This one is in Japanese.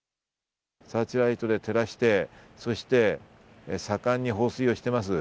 サーチライトで照らして、そして盛んに放水をしています。